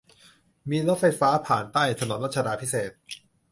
มีรถไฟฟ้าผ่านใต้ถนนรัชดาภิเษก